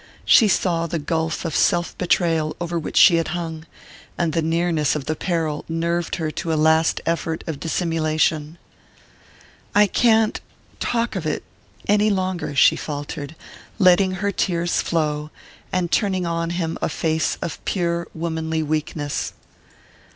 She saw the gulf of self betrayal over which she had hung, and the nearness of the peril nerved her to a last effort of dissimulation. "I can't...talk of it...any longer," she faltered, letting her tears flow, and turning on him a face of pure womanly weakness.